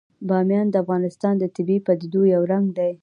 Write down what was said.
بامیان د افغانستان د طبیعي پدیدو یو رنګ دی.